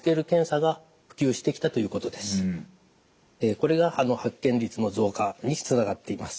これが発見率の増加につながっています。